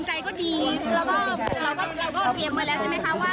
เราก็เตรียมไว้แล้วใช่ไหมคะว่าศาลอาจจะยกพร้อม